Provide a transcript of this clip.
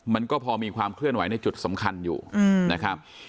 มันก็พอมีความเคลื่อนไหวในจุดสำคัญอยู่นะครับ